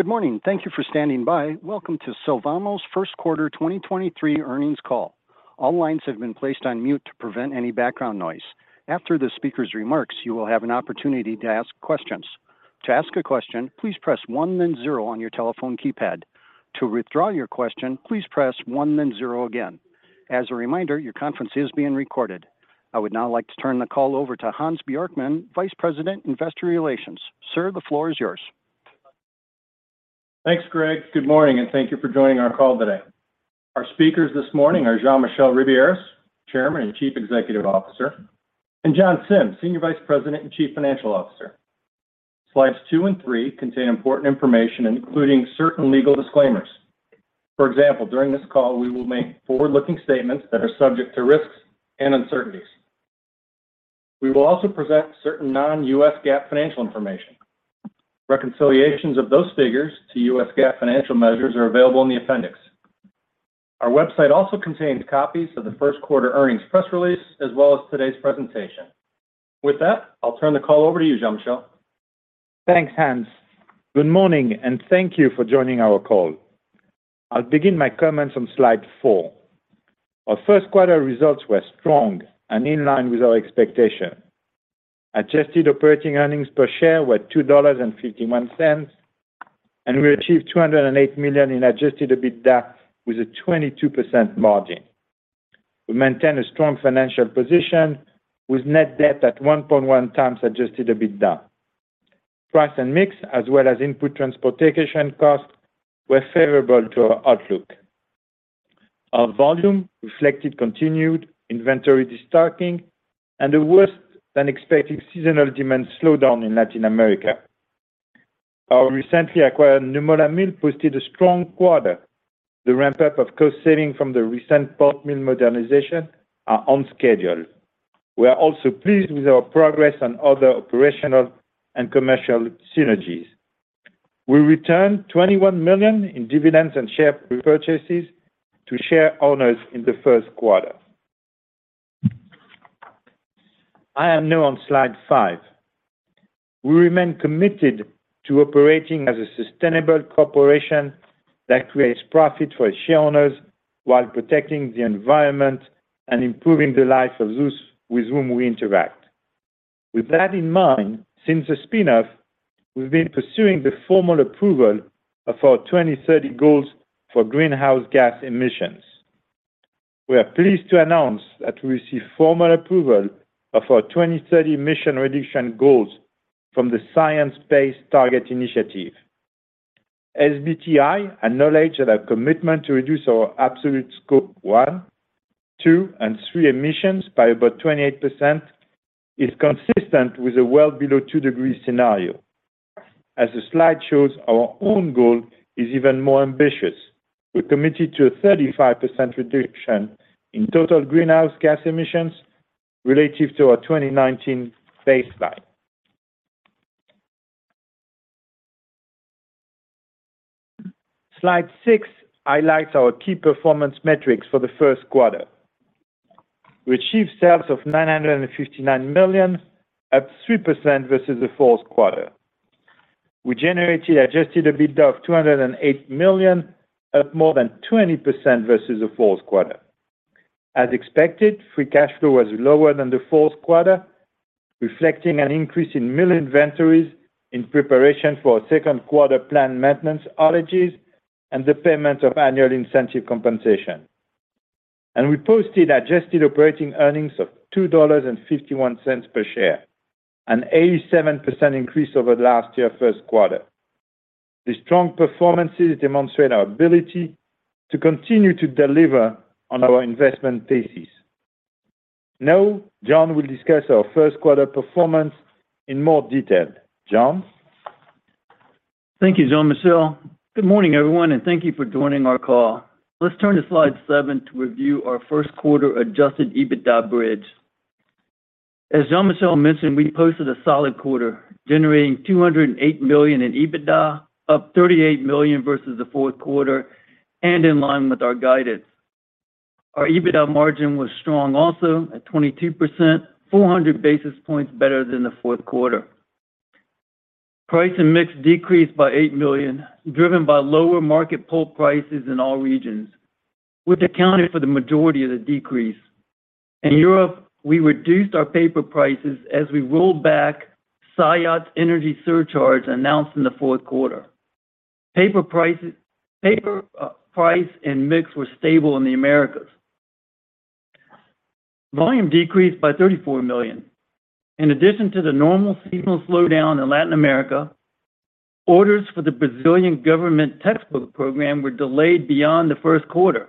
Good morning. Thank you for standing by. Welcome to Sylvamo's Q1 2023 Earnings Call. All lines have been placed on mute to prevent any background noise. After the speaker's remarks, you will have an opportunity to ask questions. To ask a question, please press 1 then 0 on your telephone keypad. To withdraw your question, please press 1 then 0 again. As a reminder, your conference is being recorded. I would now like to turn the call over to Hans Bjorkman, Vice President, Investor Relations. Sir, the floor is yours. Thanks, Greg. Good morning, and thank you for joining our call today. Our speakers this morning are Jean-Michel Ribiéras, Chairman and Chief Executive Officer, and John Sims, Senior Vice President and Chief Financial Officer. Slides 2 and contain important information, including certain legal disclaimers. For example, during this call, we will make forward-looking statements that are subject to risks and uncertainties. We will also present certain non-U.S. GAAP financial information. Reconciliations of those figures to U.S. GAAP financial measures are available in the appendix. Our website also contains copies of the Q1 earnings press release, as well as today's presentation. With that, I'll turn the call over to you, Jean-Michel. Thanks, Hans. Good morning, and thank you for joining our call. I'll begin my comments on Slide 4. Our Q1 results were strong and in line with our expectation. Adjusted operating earnings per share were $2.51, and we achieved $208 million in adjusted EBITDA with a 22% margin. We maintain a strong financial position with net debt at 1.1 times adjusted EBITDA. Price and mix, as well as input transportation costs, were favorable to our outlook. Our volume reflected continued inventory destocking and a worse-than-expected seasonal demand slowdown in Latin America. Our recently acquired Nymölla mill posted a strong quarter. The ramp-up of cost saving from the recent pulp mill modernization are on schedule. We are also pleased with our progress on other operational and commercial synergies. We returned $21 million in dividends and share repurchases to share owners in the Q1. I am now on Slide 5. We remain committed to operating as a sustainable corporation that creates profit for share owners while protecting the environment and improving the lives of those with whom we interact. With that in mind, since the spin-off, we've been pursuing the formal approval of our 2030 goals for greenhouse gas emissions. We are pleased to announce that we received formal approval of our 2030 emission reduction goals from the Science Based Targets initiative. SBTI acknowledge that our commitment to reduce our absolute Scope 1, 2, and 3 emissions by about 28% is consistent with a well below 2-degree scenario. As the slide shows, our own goal is even more ambitious. We're committed to a 35% reduction in total greenhouse gas emissions relative to our 2019 baseline. Slide 6 highlights our key performance metrics for the Q1. We achieved sales of $959 million, up 3% versus the Q4. We generated adjusted EBITDA of $208 million at more than 20% versus the Q4. As expected, free cash flow was lower than the Q4, reflecting an increase in mill inventories in preparation for our 2nd-quarter plant maintenance outages and the payment of annual incentive compensation. We posted adjusted operating earnings of $2.51 per share, an 87% increase over last year Q1. These strong performances demonstrate our ability to continue to deliver on our investment thesis. Now, John will discuss our Q1 performance in more detail. John? Thank you, Jean-Michel. Good morning, everyone, and thank you for joining our call. Let's turn to Slide 7 to review our Q1 adjusted EBITDA bridge. As Jean-Michel mentioned, we posted a solid quarter, generating $208 million in EBITDA, up $38 million versus the Q4 and in line with our guidance. Our EBITDA margin was strong also at 22%, 400 basis points better than the Q4. Price and mix decreased by $8 million, driven by lower market pulp prices in all regions, which accounted for the majority of the decrease. In Europe, we reduced our paper prices as we rolled back Saillat's energy surcharge announced in the Q4. Paper price and mix were stable in the Americas. Volume decreased by $34 million. In addition to the normal seasonal slowdown in Latin America, orders for the Brazilian government textbook program were delayed beyond the Q1.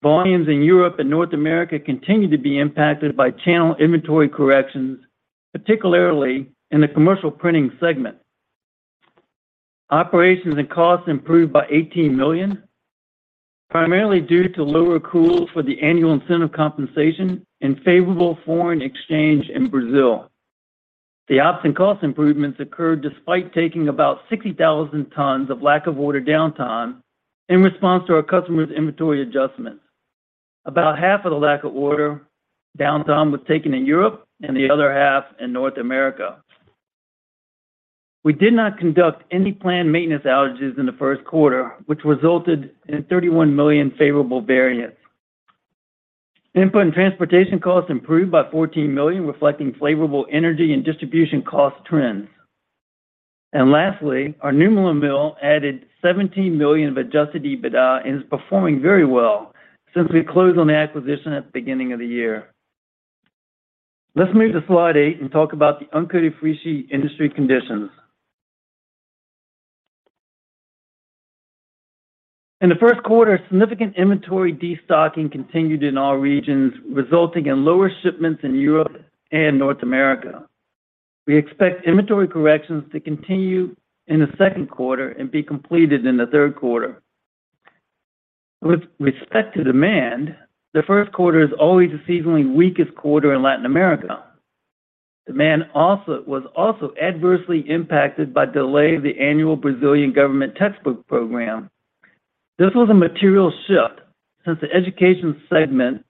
Volumes in Europe and North America continued to be impacted by channel inventory corrections, particularly in the commercial printing segment. Operations and costs improved by $18 million, primarily due to lower accruals for the annual incentive compensation and favorable foreign exchange in Brazil. The ops and cost improvements occurred despite taking about 60,000 tons of lack of order downtime in response to our customers' inventory adjustments. About half of the lack of order downtime was taken in Europe and the other half in North America. We did not conduct any planned maintenance outages in the Q1, which resulted in $31 million favorable variance. Input and transportation costs improved by $14 million, reflecting favorable energy and distribution cost trends. Lastly, our Nymölla mill added $17 million of adjusted EBITDA and is performing very well since we closed on the acquisition at the beginning of the year. Let's move to Slide 8 and talk about the uncoated freesheet industry conditions. In the Q1, significant inventory destocking continued in all regions, resulting in lower shipments in Europe and North America. We expect inventory corrections to continue in the Q2 and be completed in the Q3. With respect to demand, the Q1 is always the seasonally weakest quarter in Latin America. Demand was also adversely impacted by delay of the annual Brazilian government textbook program. This was a material shift since the education segment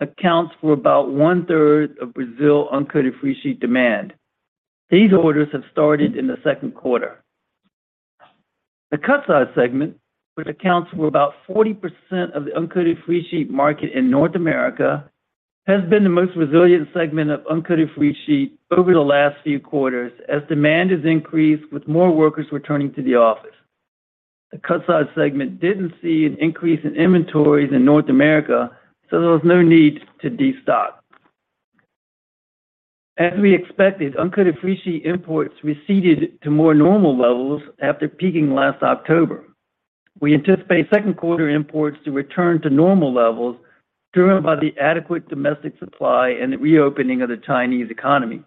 accounts for about one-third of Brazil uncoated freesheet demand. These orders have started in the Q2. The cut-size segment, which accounts for about 40% of the uncoated freesheet market in North America, has been the most resilient segment of uncoated freesheet over the last few quarters as demand has increased with more workers returning to the office. The cut-size segment didn't see an increase in inventories in North America, there was no need to destock. As we expected, uncoated freesheet imports receded to more normal levels after peaking last October. We anticipate Q2 imports to return to normal levels, driven by the adequate domestic supply and the reopening of the Chinese economy.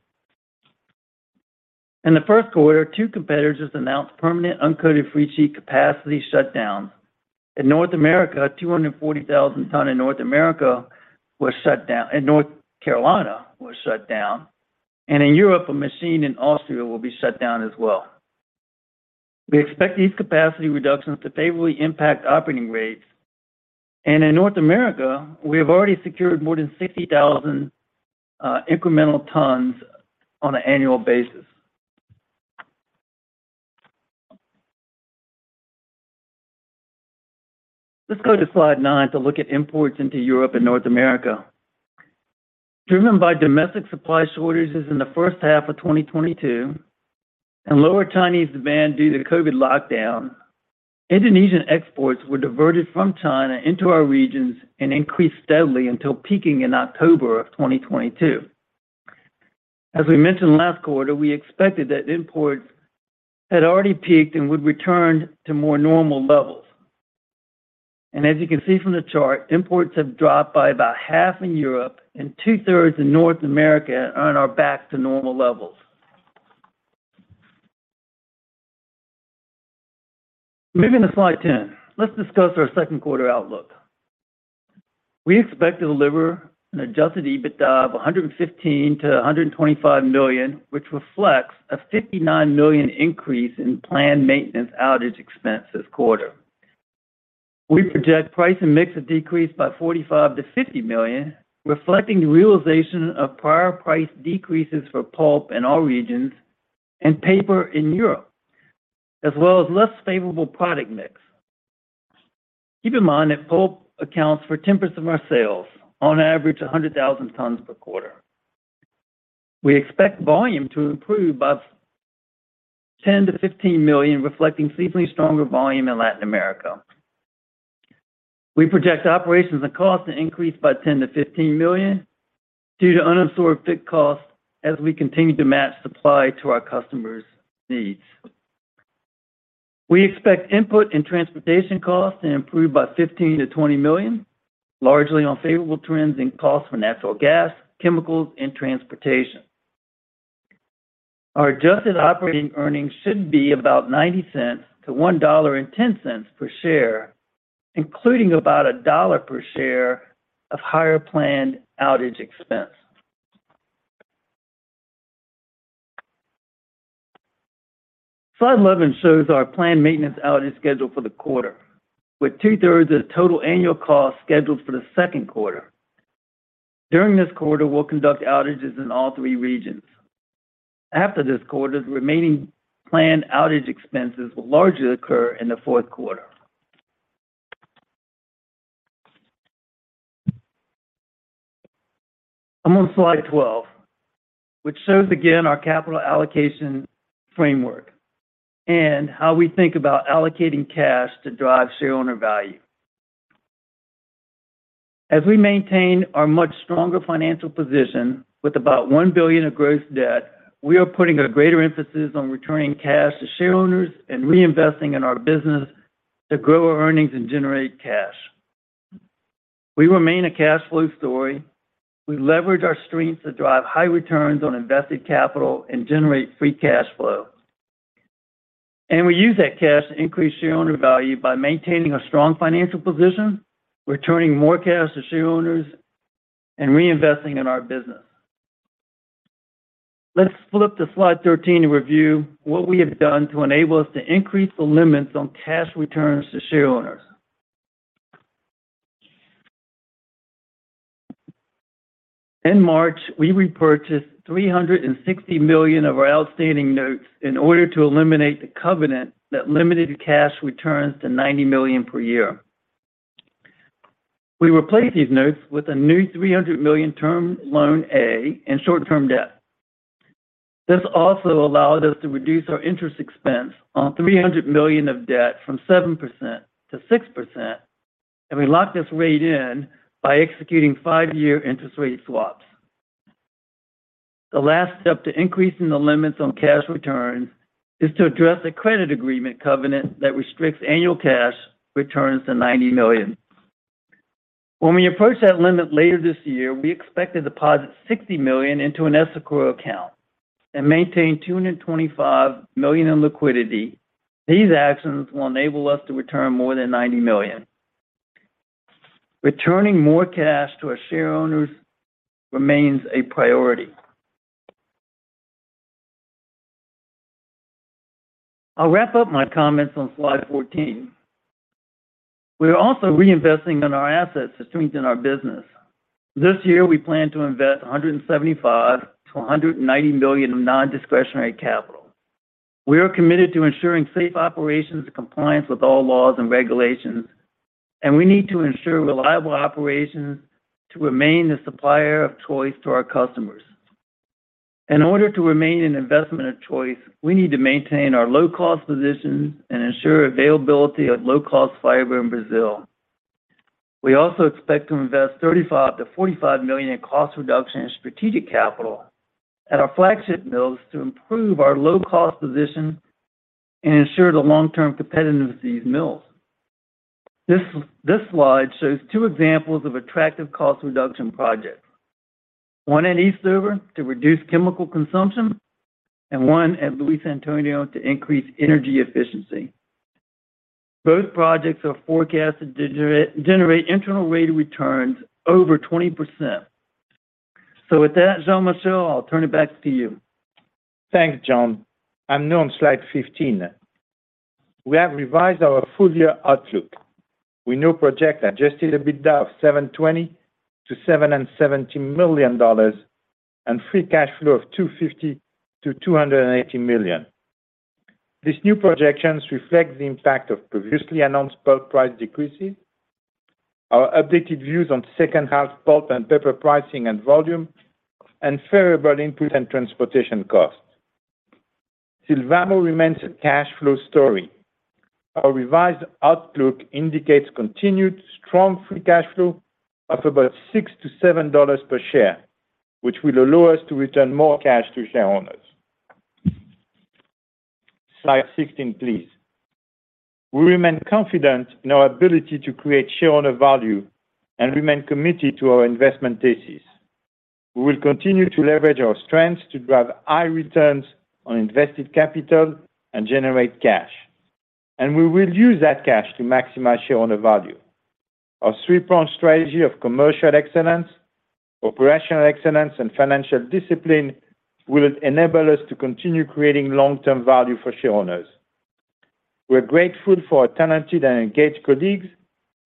In the Q1, two competitors announced permanent uncoated freesheet capacity shutdowns. In North America, 240,000 tons in North Carolina was shut down. In Europe, a machine in Austria will be shut down as well. We expect these capacity reductions to favorably impact operating rates. In North America, we have already secured more than 60,000 incremental tons on an annual basis. Let's go to Slide 9 to look at imports into Europe and North America. Driven by domestic supply shortages in the first half of 2022 and lower Chinese demand due to the COVID lockdown, Indonesian exports were diverted from China into our regions and increased steadily until peaking in October of 2022. As we mentioned last quarter, we expected that imports had already peaked and would return to more normal levels. As you can see from the chart, imports have dropped by about half in Europe and two-thirds in North America and are back to normal levels. Moving to Slide 10. Let's discuss our Q2 outlook. We expect to deliver an adjusted EBITDA of $115 million-$125 million, which reflects a $59 million increase in planned maintenance outage expense this quarter. We project price and mix of decrease by $45 million-$50 million, reflecting the realization of prior price decreases for pulp in all regions and paper in Europe, as well as less favorable product mix. Keep in mind that pulp accounts for 10% of our sales on average 100,000 tons per quarter. We expect volume to improve by $10 million-$15 million, reflecting seasonally stronger volume in Latin America. We project operations and cost to increase by $10 million-$15 million due to unabsorbed fixed costs as we continue to match supply to our customers' needs. We expect input and transportation costs to improve by $15 million-$20 million, largely on favorable trends in costs for natural gas, chemicals, and transportation. Our adjusted operating earnings should be about $0.90-$1.10 per share, including about $1 per share of higher planned outage expense. Slide 11 shows our planned maintenance outage schedule for the quarter, with two-thirds of the total annual cost scheduled for the Q2. During this quarter, we'll conduct outages in all three regions. After this quarter, the remaining planned outage expenses will largely occur in the Q4. I'm on Slide 12, which shows again our capital allocation framework and how we think about allocating cash to drive shareowner value. As we maintain our much stronger financial position with about $1 billion of gross debt, we are putting a greater emphasis on returning cash to shareowners and reinvesting in our business to grow our earnings and generate cash. We remain a cash flow story. We leverage our strengths to drive high return on invested capital and generate free cash flow. We use that cash to increase shareowner value by maintaining a strong financial position, returning more cash to shareowners, and reinvesting in our business. Let's flip to Slide 13 and review what we have done to enable us to increase the limits on cash returns to shareowners. In March, we repurchased $360 million of our outstanding notes in order to eliminate the covenant that limited cash returns to $90 million per year. We replaced these notes with a new $300 million Term Loan A and short-term debt. This also allowed us to reduce our interest expense on $300 million of debt from 7% to 6%, and we locked this rate in by executing 5-year interest rate swaps. The last step to increasing the limits on cash returns is to address the credit agreement covenant that restricts annual cash returns to $90 million. When we approach that limit later this year, we expect to deposit $60 million into an escrow account and maintain $225 million in liquidity. These actions will enable us to return more than $90 million. Returning more cash to our shareowners remains a priority. I'll wrap up my comments on Slide 14. We are also reinvesting in our assets to strengthen our business. This year, we plan to invest $175 million-$190 million of nondiscretionary capital. We are committed to ensuring safe operations and compliance with all laws and regulations. We need to ensure reliable operations to remain the supplier of choice to our customers. In order to remain an investment of choice, we need to maintain our low-cost positions and ensure availability of low-cost fiber in Brazil. We also expect to invest $35 million-$45 million in cost reduction and strategic capital at our flagship mills to improve our low-cost position and ensure the long-term competitiveness of these mills. This slide shows two examples of attractive cost reduction projects. One in Eastover to reduce chemical consumption and one at Luís Antônio to increase energy efficiency. Both projects are forecasted to generate internal rate of returns over 20%. With that, Jean-Michel, I'll turn it back to you. Thanks, John. I'm now on Slide 15. We have revised our full-year outlook. We now project adjusted EBITDA of $720 million-$770 million and free cash flow of $250 million-$280 million. These new projections reflect the impact of previously announced pulp price decreases, our updated views on second half pulp and paper pricing and volume, and favorable input and transportation costs. Sylvamo remains a cash flow story. Our revised outlook indicates continued strong free cash flow of about $6-$7 per share, which will allow us to return more cash to shareowners. Slide 16, please. We remain confident in our ability to create shareowner value and remain committed to our investment thesis. We will continue to leverage our strengths to drive high return on invested capital and generate cash. We will use that cash to maximize shareowner value. Our three-pronged strategy of commercial excellence, operational excellence, and financial discipline will enable us to continue creating long-term value for shareowners. We're grateful for our talented and engaged colleagues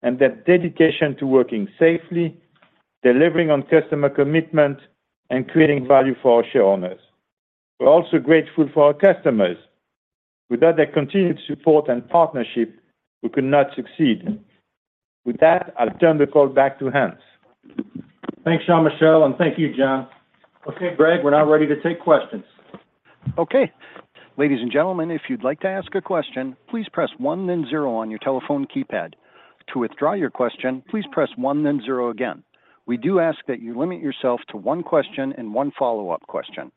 and their dedication to working safely, delivering on customer commitment, and creating value for our shareowners. We're also grateful for our customers. Without their continued support and partnership, we could not succeed. With that, I'll turn the call back to Hans. Thanks, Jean-Michel, and thank you, John. Okay, Greg, we're now ready to take questions. Okay. Ladies and gentlemen, if you'd like to ask a question, please press one then zero on your telephone keypad. To withdraw your question, please press one then zero again. We do ask that you limit yourself to 1 question and 1 follow-up question.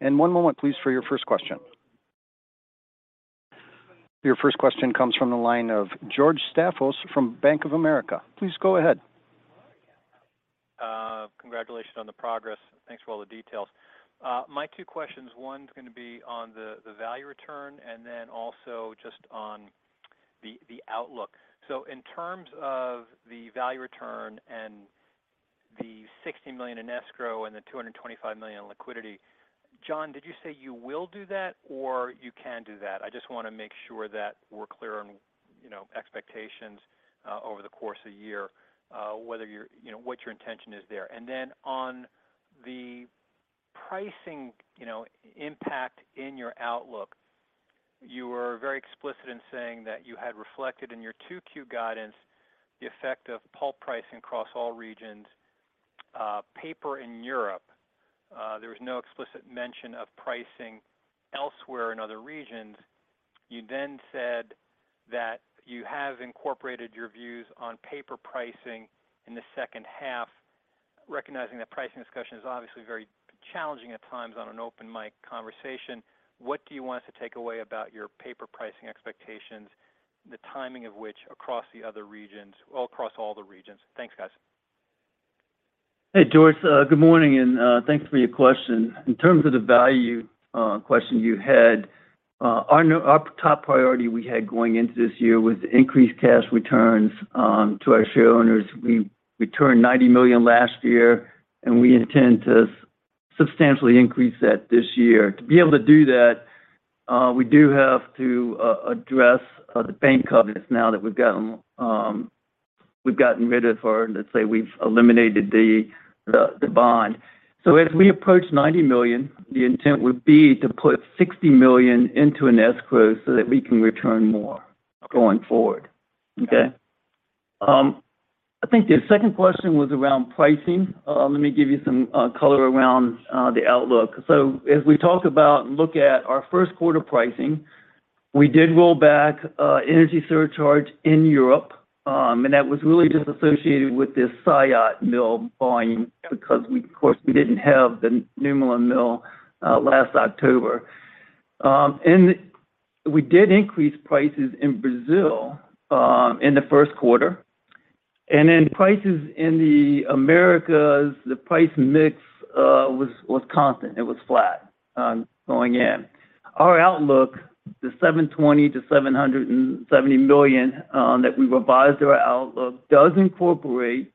1 moment, please, for your first question. Your first question comes from the line of George Staphos from Bank of America. Please go ahead. Congratulations on the progress. Thanks for all the details. My 2 questions, one's gonna be on the value return and then also just on the outlook. In terms of the value return and the $60 million in escrow and the $225 million in liquidity, John, did you say you will do that or you can do that? I just wanna make sure that we're clear on, you know, expectations over the course of the year, whether, you know, what your intention is there. On the pricing, you know, impact in your outlook, you were very explicit in saying that you had reflected in your 2Q guidance the effect of pulp pricing across all regions. Paper in Europe, there was no explicit mention of pricing elsewhere in other regions. You said that you have incorporated your views on paper pricing in the second half. Recognizing that pricing discussion is obviously very challenging at times on an open mic conversation, what do you want us to take away about your paper pricing expectations, the timing of which well, across all the regions? Thanks, guys. Hey, George, good morning, and thanks for your question. In terms of the value question you had. Our top priority we had going into this year was to increase cash returns to our shareowners. We turned $90 million last year, and we intend to substantially increase that this year. To be able to do that, we do have to address the bank covenants now that we've gotten rid of or, let's say, we've eliminated the bond. As we approach $90 million, the intent would be to put $60 million into an escrow so that we can return more going forward. Okay? I think the second question was around pricing. Let me give you some color around the outlook. As we talk about and look at our Q1 pricing, we did roll back energy surcharge in Europe, and that was really just associated with this Saillat mill volume because we, of course, we didn't have the Nymölla mill last October. We did increase prices in Brazil in the Q1. Prices in the Americas, the price mix, was constant. It was flat going in. Our outlook, the $720 million-$770 million, that we revised our outlook does incorporate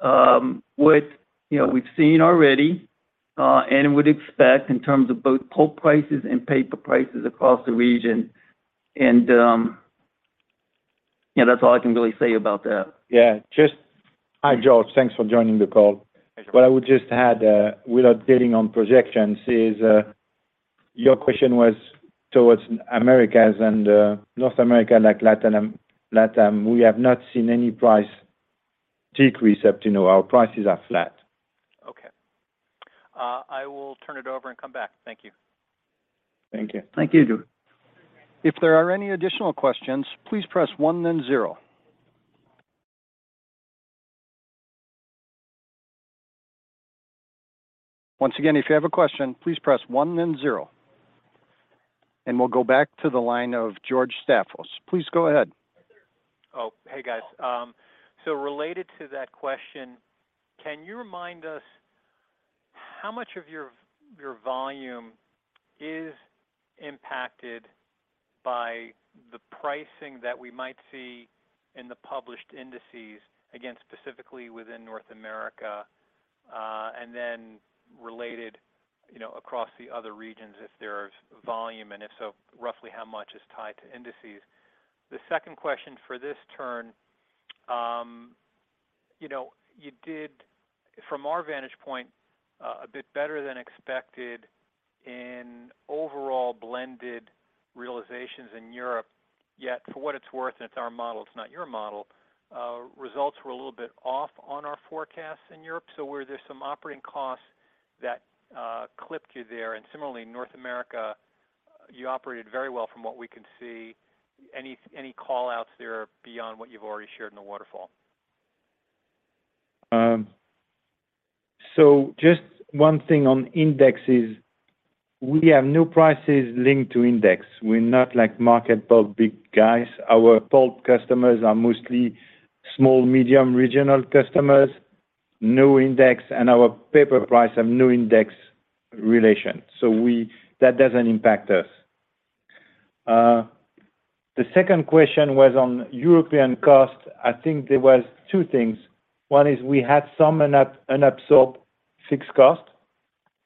what, you know, we've seen already and would expect in terms of both pulp prices and paper prices across the region. Yeah, that's all I can really say about that. Yeah. Hi, George. Thanks for joining the call. Thank you. What I would just add, without getting on projections is, your question was towards Americas and, North America, like Latam. We have not seen any price decrease. You know, our prices are flat. Okay. I will turn it over and come back. Thank you. Thank you. Thank you. If there are any additional questions, please press one then zero. Once again, if you have a question, please press one then zero. We'll go back to the line of George Staphos. Please go ahead. Hey, guys. Related to that question, can you remind us how much of your volume is impacted by the pricing that we might see in the published indices, again, specifically within North America, and then related, you know, across the other regions if there is volume, and if so, roughly how much is tied to indices? The second question for this turn, you know, you did, from our vantage point, a bit better than expected in overall blended realizations in Europe. Yet, for what it's worth, and it's our model, it's not your model, results were a little bit off on our forecasts in Europe. Were there some operating costs that clipped you there? Similarly, North America, you operated very well from what we can see. Any call-outs there beyond what you've already shared in the waterfall? Just one thing on indexes. We have no prices linked to index. We're not like market pulp big guys. Our pulp customers are mostly small, medium regional customers, no index, and our paper price have no index relation. That doesn't impact us. The second question was on European cost. I think there was two things. One is we had some unabsorbed fixed cost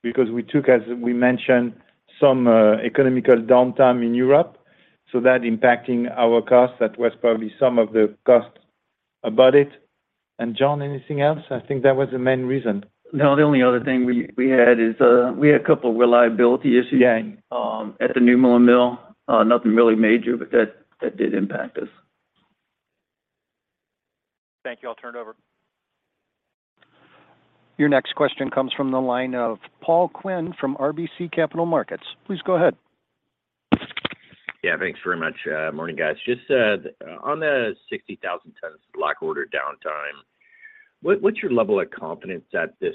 because we took, as we mentioned, some economical downtime in Europe, so that impacting our cost, that was probably some of the cost about it. John, anything else? I think that was the main reason. The only other thing we had is we had a couple reliability issues. Yeah At the Nymölla mill. Nothing really major, but that did impact us. Thank you. I'll turn it over. Your next question comes from the line of Paul Quinn from RBC Capital Markets. Please go ahead. Yeah, thanks very much. Morning, guys. Just on the 60,000 tons block order downtime, what's your level of confidence that this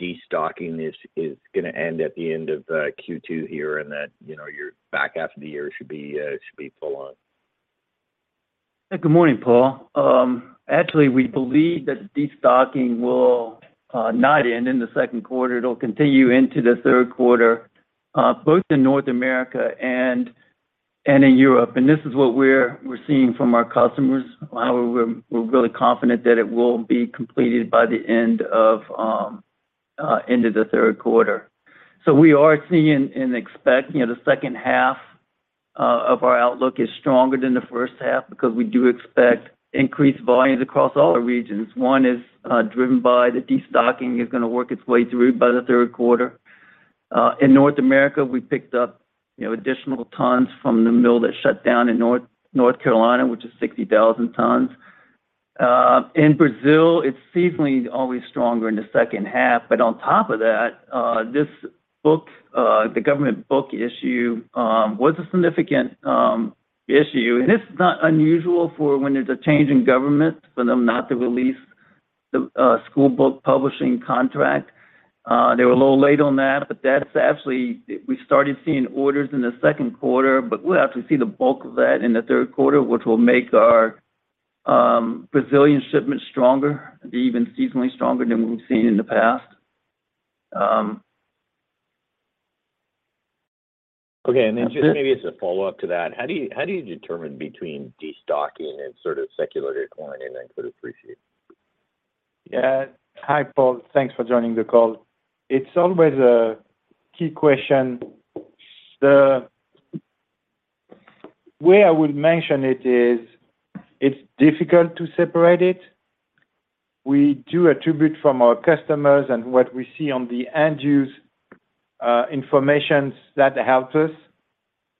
destocking is gonna end at the end of Q2 here, and that, you know, your back half of the year should be full on? Good morning, Paul. Actually, we believe that destocking will not end in the Q2. It'll continue into the Q3, both in North America and in Europe. This is what we're seeing from our customers. However, we're really confident that it will be completed by the end of the Q3. We are seeing and expect, you know, the second half of our outlook is stronger than the first half because we do expect increased volumes across all our regions. One is, driven by the destocking is gonna work its way through by the Q3. In North America, we picked up, you know, additional tons from the mill that shut down in North Carolina, which is 60,000 tons. In Brazil, it's seasonally always stronger in the second half. On top of that, this book, the government book issue, was a significant issue. It's not unusual for when there's a change in government for them not to release the school book publishing contract. They were a little late on that, but actually, we started seeing orders in the Q2, but we'll have to see the bulk of that in the Q3, which will make our Brazilian shipments stronger, be even seasonally stronger than we've seen in the past. Okay. Then just maybe as a follow-up to that, how do you determine between destocking and sort of secular decline in uncoated freesheet? Yeah. Hi Paul. Thanks for joining the call. It's always a key question. The way I would mention it is, it's difficult to separate it. We do attribute from our customers and what we see on the end use information that helped us.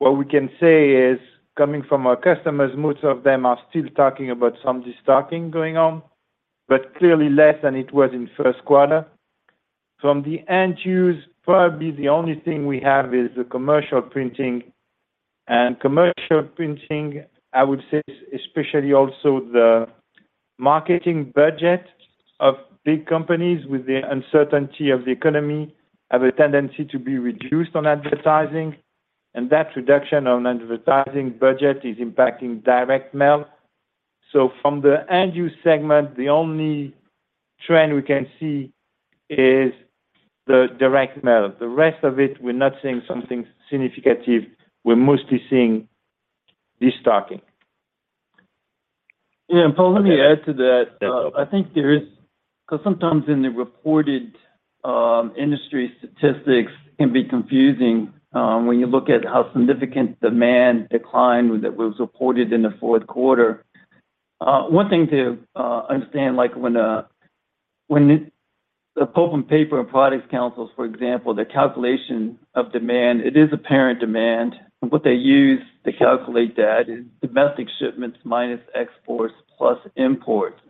What we can say is, coming from our customers, most of them are still talking about some destocking going on, but clearly less than it was in Q1. From the end use, probably the only thing we have is the commercial printing. Commercial printing, I would say especially also the marketing budget of big companies with the uncertainty of the economy, have a tendency to be reduced on advertising, and that reduction on advertising budget is impacting direct mail. From the end use segment, the only trend we can see is the direct mail. The rest of it, we're not seeing something significant. We're mostly seeing destocking. Yeah. Paul, let me add to that. Yeah. I think there is... Because sometimes in the reported industry statistics can be confusing when you look at how significant demand declined that was reported in the Q4. One thing to understand, like when the Pulp and Paper Products Council, for example, the calculation of demand, it is apparent demand. What they use to calculate that is domestic shipments minus exports plus imports.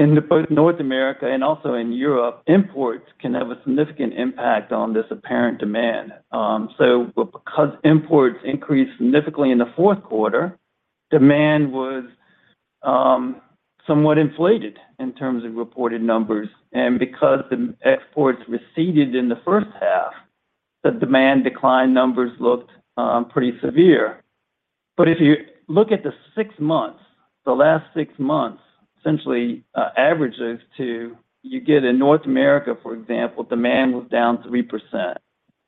In both North America and also in Europe, imports can have a significant impact on this apparent demand. Because imports increased significantly in the Q4, demand was somewhat inflated in terms of reported numbers. The exports receded in the first half, the demand decline numbers looked pretty severe. If you look at the 6 months, the last 6 months, essentially, averages to... You get in North America, for example, demand was down 3%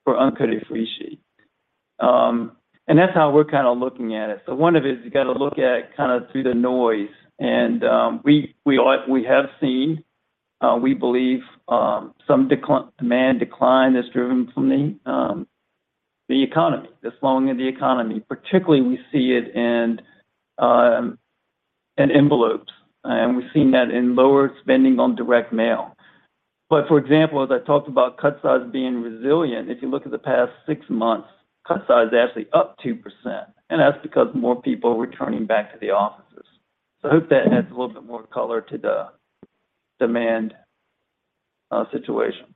for uncoated freesheet. That's how we're kind of looking at it. One of it is you got to look at kind of through the noise. We have seen, we believe, some demand decline is driven from the economy, the slowing of the economy. Particularly, we see it in envelopes, and we've seen that in lower spending on direct mail. For example, as I talked about cut size being resilient, if you look at the past six months, cut size is actually up 2%, and that's because more people are returning back to the offices. I hope that adds a little bit more color to the demand situation.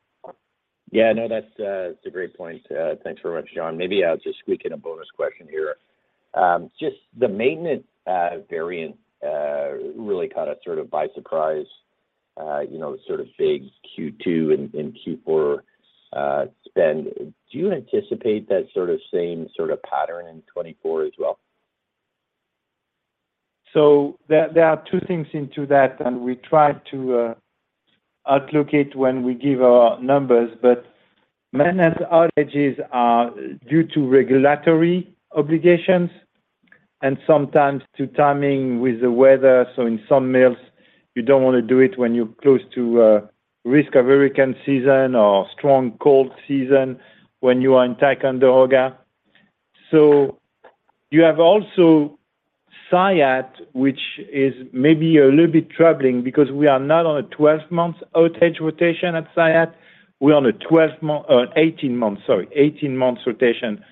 Yeah. No, that's a great point. Thanks very much, John. Maybe I'll just squeak in a bonus question here. Just the maintenance variant, really kind of sort of by surprise, you know, sort of big Q2 and Q4 spend. Do you anticipate that sort of same sort of pattern in 2024 as well? There are two things into that, and we try to allocate when we give our numbers. Maintenance outages are due to regulatory obligations and sometimes to timing with the weather. In some mills, you don't want to do it when you're close to a risk of hurricane season or strong cold season when you are in Ticonderoga, New York. You have also Saillat, which is maybe a little bit troubling because we are not on a 12-month outage rotation at Saillat. We're on an 18-month, sorry. Eighteen-months rotation,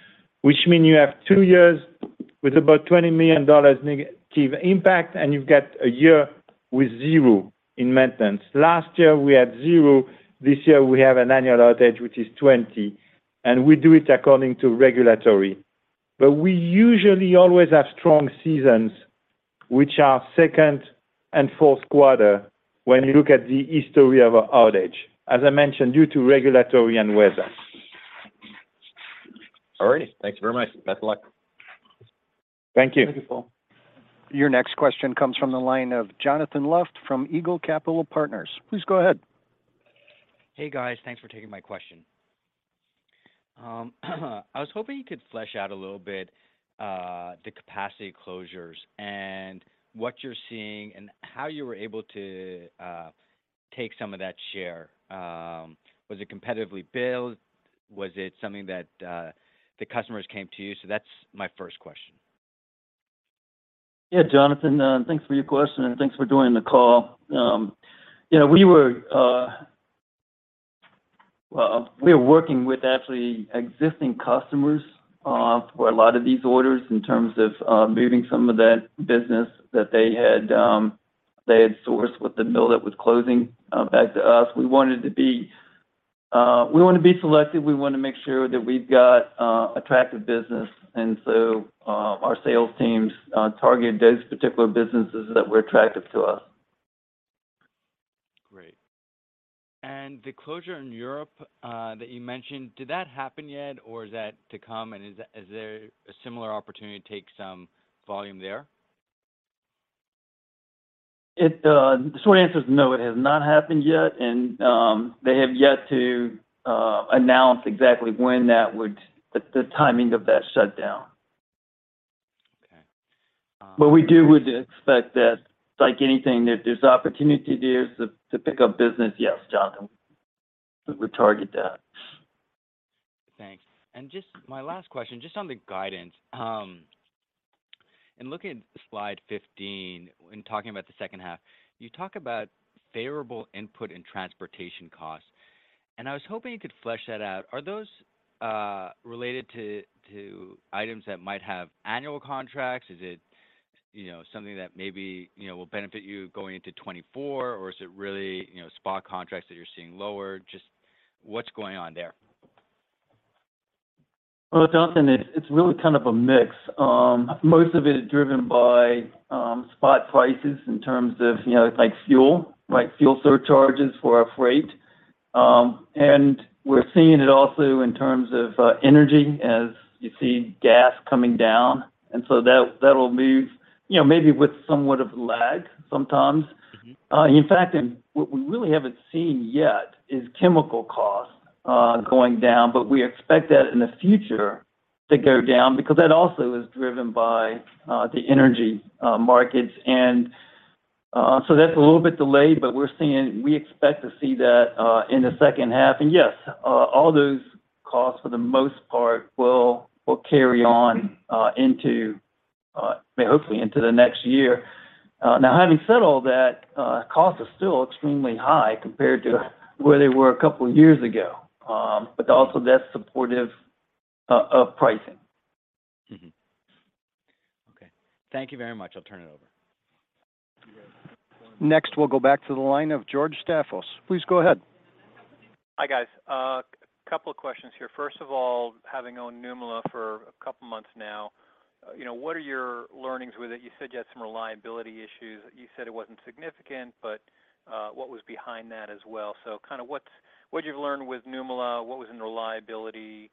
which mean you have 2 years with about $20 million negative impact, and you've got 1 year with 0 in maintenance. Last year, we had 0. This year, we have an annual outage, which is $20 million, and we do it according to regulatory. We usually always have strong seasons, which are second and Q4 when you look at the history of outage, as I mentioned, due to regulatory and weather. All right. Thanks very much. Best of luck. Thank you. Thank you, Paul. Your next question comes from the line of Jonathon Luft from Eagle Capital Partners. Please go ahead. Hey, guys. Thanks for taking my question. I was hoping you could flesh out a little bit, the capacity closures and what you're seeing and how you were able to, take some of that share. Was it competitively built? Was it something that, the customers came to you? That's my first question. Yeah. Jonathon, thanks for your question, and thanks for joining the call. You know, we were, well, we are working with actually existing customers, for a lot of these orders in terms of, moving some of that business that they had, they had sourced with the mill that was closing, back to us. We wanted to be, we want to be selective. We want to make sure that we've got, attractive business. Our sales teams, targeted those particular businesses that were attractive to us. Great. The closure in Europe, that you mentioned, did that happen yet or is that to come? Is there a similar opportunity to take some volume there? It, the short answer is no, it has not happened yet. They have yet to announce exactly when the timing of that shutdown. Okay. We would expect that, like anything, if there's opportunity there to pick up business, yes, Jonathon, we would target that. Thanks. Just my last question, just on the guidance. In looking at Slide 15, when talking about the second half, you talk about favorable input and transportation costs, and I was hoping you could flesh that out. Are those related to items that might have annual contracts? Is it, you know, something that maybe, you know, will benefit you going into 2024? Or is it really, you know, spot contracts that you're seeing lower? Just what's going on there? Well, Jonathon, it's really kind of a mix. Most of it is driven by spot prices in terms of, you know, like fuel, like fuel surcharges for our freight. We're seeing it also in terms of energy as you see gas coming down. That'll move, you know, maybe with somewhat of a lag sometimes. In fact, what we really haven't seen yet is chemical costs going down, but we expect that in the future to go down because that also is driven by the energy markets. That's a little bit delayed, but we expect to see that in the second half. Yes, all those costs for the most part will carry on into hopefully into the next year. Now having said all that, cost is still extremely high compared to where they were a couple of years ago. Also that's supportive of pricing. Okay. Thank you very much. I'll turn it over. Next, we'll go back to the line of George Staphos. Please go ahead. Hi, guys. A couple of questions here. First of all, having owned Nymölla for a couple of months now, you know, what are your learnings with it? You said you had some reliability issues. You said it wasn't significant, but, what was behind that as well? kind of what's, what you've learned with Nymölla? What was the reliability?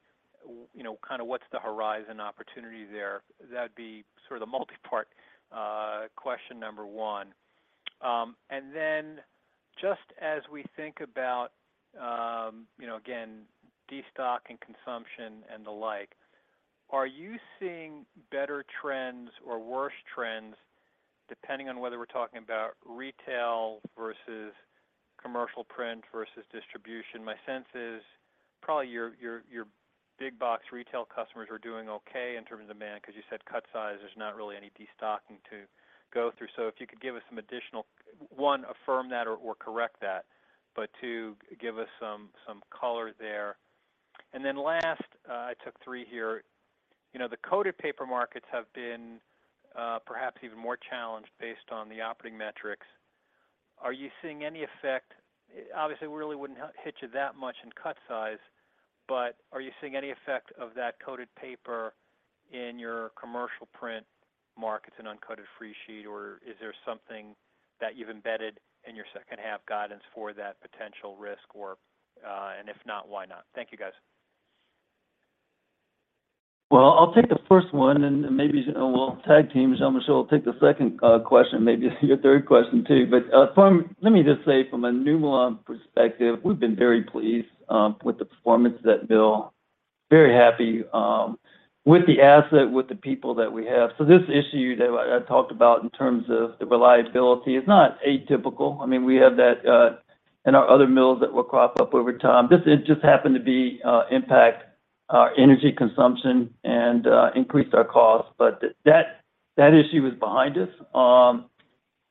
You know, kind of what's the horizon opportunity there? That'd be sort of the multipart, question 1. just as we think about, you know, again, destock and consumption and the like, are you seeing better trends or worse trends depending on whether we're talking about retail versus commercial print versus distribution? My sense is probably your, your big box retail customers are doing okay in terms of demand because you said cut-size, there's not really any destocking to go through. If you could give us some additional... One, affirm that or correct that, but two, give us some color there. Last, I took three here. You know, the coated paper markets have been perhaps even more challenged based on the operating metrics. Are you seeing any effect? Obviously, it really wouldn't hit you that much in cut-size, but are you seeing any effect of that coated paper in your commercial print markets and uncoated freesheet, or is there something that you've embedded in your second half guidance for that potential risk or... If not, why not? Thank you, guys. I'll take the first one, and then maybe we'll tag team. Jean-Michel will take the second question, maybe your third question too. Let me just say from a Nymölla perspective, we've been very pleased with the performance of that mill. Very happy with the asset, with the people that we have. This issue that I talked about in terms of the reliability is not atypical. I mean, we have that in our other mills that will crop up over time. This just happened to be impact our energy consumption and increased our costs. That issue is behind us.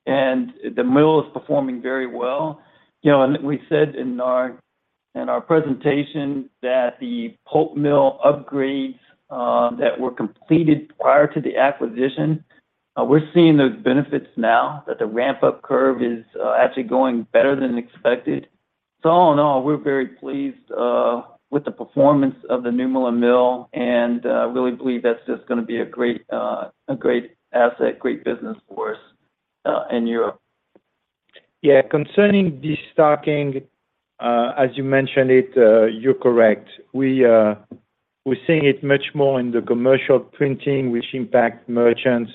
The mill is performing very well. You know, we said in our, in our presentation that the pulp mill upgrades that were completed prior to the acquisition, we're seeing those benefits now that the ramp-up curve is actually going better than expected. All in all, we're very pleased with the performance of the Nymölla mill and really believe that's just gonna be a great, a great asset, great business for us in Europe. Yeah. Concerning destocking, as you mentioned it, you're correct. We're seeing it much more in the commercial printing, which impact merchants,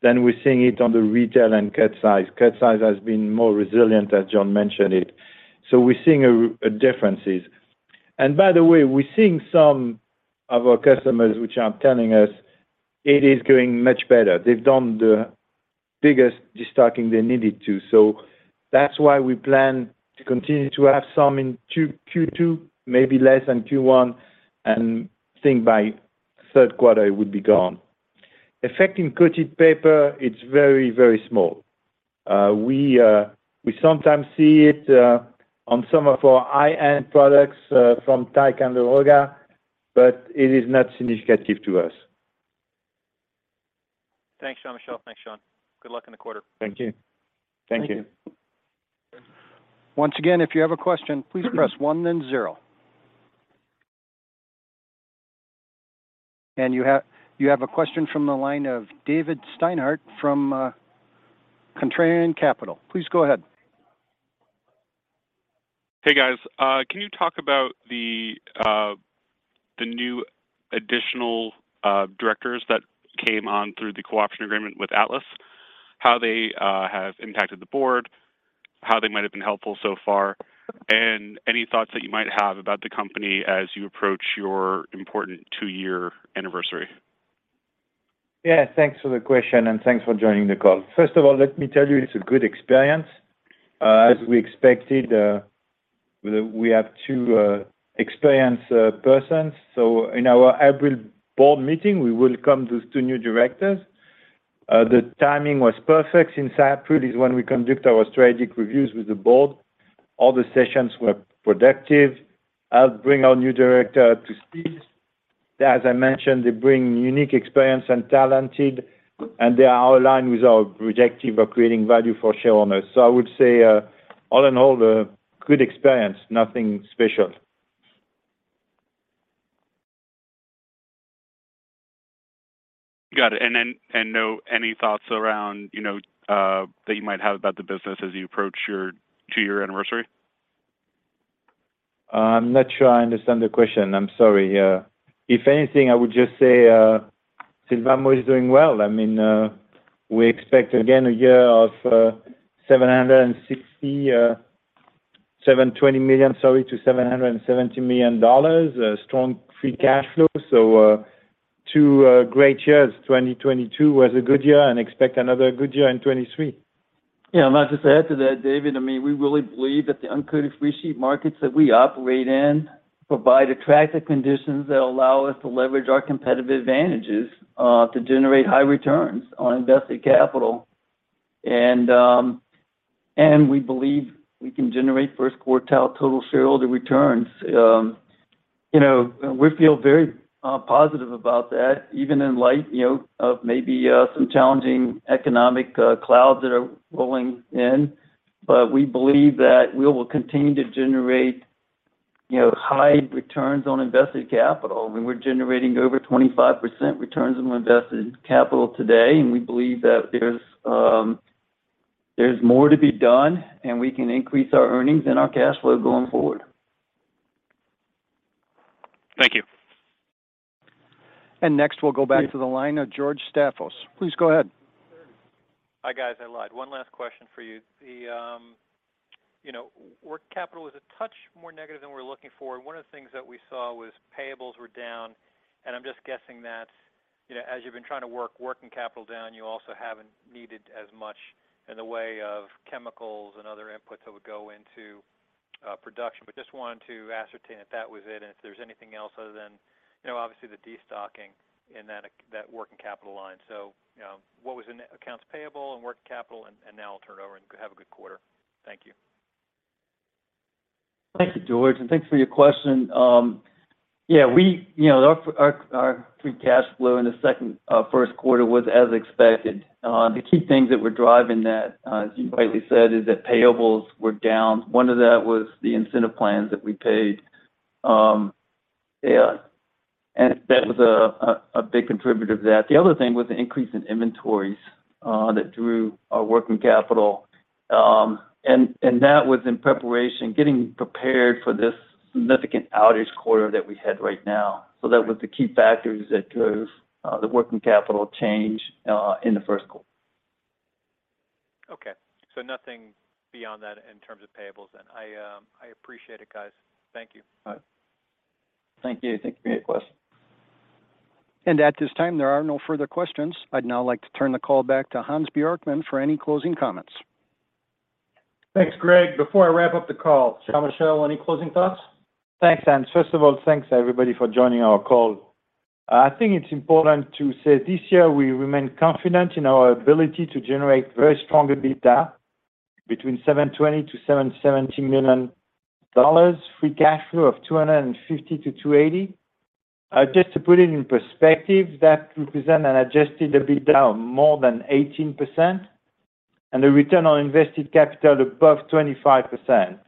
than we're seeing it on the retail and cut-size. Cut-size has been more resilient, as John mentioned it. We're seeing differences. By the way, we're seeing some of our customers which are telling us it is going much better. They've done the biggest destocking they needed to. That's why we plan to continue to have some in Q2, maybe less than Q1, and think by Q3 it would be gone. Effect in coated paper, it's very, very small. We sometimes see it on some of our high-end products from Nymölla and Saillat, but it is not significant to us. Thanks, Jean-Michel. Thanks, John. Good luck in the quarter. Thank you. Thank you. Thank you. Once again, if you have a question, please press one then zero. You have a question from the line of David Steinhardt from Contrarian Capital. Please go ahead. Hey guys, can you talk about the new additional directors that came on through the cooperation agreement with Atlas? How they have impacted the board? How they might have been helpful so far? Any thoughts that you might have about the company as you approach your important two-year anniversary? Thanks for the question, and thanks for joining the call. First of all, let me tell you it's a good experience. As we expected, we have 2 experienced persons. In our April board meeting, we will come with 2 new directors. The timing was perfect since April is when we conduct our strategic reviews with the board. All the sessions were productive. I'll bring our new director to speed. As I mentioned, they bring unique experience and talented, and they are aligned with our objective of creating value for shareholders. I would say, all in all, a good experience. Nothing special. Got it. Any thoughts around, you know, that you might have about the business as you approach your two-year anniversary? I'm not sure I understand the question. I'm sorry. If anything, I would just say, Sylvamo is doing well. I mean, we expect again a year of 760, $720 million, sorry, to $770 million. A strong free cash flow. 2 great years. 2022 was a good year, and expect another good year in 2023. Yeah. I'll just add to that, David. I mean, we really believe that the uncoated freesheet markets that we operate in provide attractive conditions that allow us to leverage our competitive advantages to generate high returns on invested capital. We believe we can generate first quartile total shareholder returns. You know, we feel very positive about that, even in light, you know, of maybe some challenging economic clouds that are rolling in. We believe that we will continue to generate, you know, high returns on invested capital. We were generating over 25% returns on invested capital today, and we believe that there's more to be done, and we can increase our earnings and our cash flow going forward. Thank you. Next, we'll go back to the line of George Staphos. Please go ahead. Hi guys. I lied. One last question for you. The, you know, working capital was a touch more negative than we were looking for, and one of the things that we saw was payables were down. I'm just guessing that, you know, as you've been trying to work working capital down, you also haven't needed as much in the way of chemicals and other inputs that would go into production. Just wanted to ascertain if that was it, and if there's anything else other than, you know, obviously the destocking in that working capital line. You know, what was in the accounts payable and working capital? Now I'll turn it over and have a good quarter. Thank you. Thank you, George. Thanks for your question. Yeah, we. You know, our free cash flow in the Q1 was as expected. The key things that we're driving that, as you rightly said, is that payables were down. One of that was the incentive plans that we paid. Yeah. That was a big contributor to that. The other thing was the increase in inventories that drew our working capital. That was in preparation, getting prepared for this significant outage quarter that we had right now. That was the key factors that drove the working capital change in the Q1. Okay. nothing beyond that in terms of payables then. I appreciate it, guys. Thank you. All right. Thank you. Thank you for your question. At this time, there are no further questions. I'd now like to turn the call back to Hans Bjorkman for any closing comments. Thanks, Greg. Before I wrap up the call, Jean-Michel, any closing thoughts? Thanks, Hans. First of all, thanks everybody for joining our call. I think it's important to say this year we remain confident in our ability to generate very strong EBITDA, between $720 million-$770 million. Free cash flow of $250 million-$280 million. Just to put it in perspective, that represent an adjusted EBITDA of more than 18%, and a return on invested capital above 25%.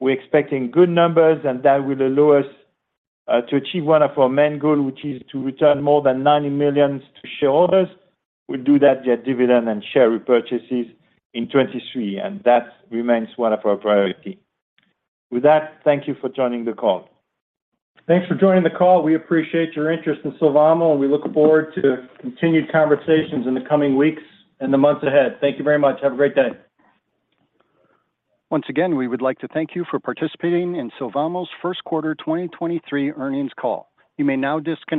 We're expecting good numbers, and that will allow us to achieve one of our main goal, which is to return more than $90 million to shareholders. We'll do that via dividend and share repurchases in 2023, and that remains one of our priority. With that, thank you for joining the call. Thanks for joining the call. We appreciate your interest in Sylvamo, and we look forward to continued conversations in the coming weeks and the months ahead. Thank you very much. Have a great day. Once again, we would like to thank you for participating in Sylvamo's Q1 2023 Earnings Call. You may now disconnect.